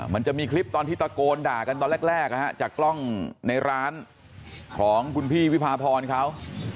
มันจะมีคลิปตอนที่ตะโกนด่ากันตอนแรกจากกล้องในร้านของคุณพี่วิพาพรเขา